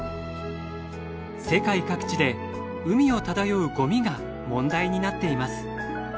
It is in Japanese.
世界各地で海を漂うごみが問題になっています。